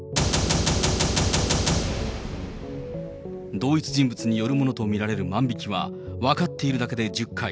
同一人物によるものと見られる万引きは、分かっているだけで１０回。